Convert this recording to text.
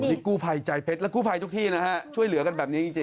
นี่กู้ภัยใจเพชรและกู้ภัยทุกที่นะฮะช่วยเหลือกันแบบนี้จริง